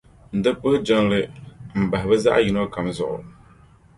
Di puhi jiŋli m-bahi bɛ zaɣiyino kam zuɣu.